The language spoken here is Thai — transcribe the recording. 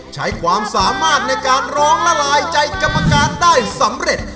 ใช้ความสามารถในการร้องละลายใจกรรมการได้สำเร็จ